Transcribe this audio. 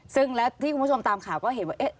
ซึ่งและที่คุณผู้ชมตามข่าวก็เห็นว่า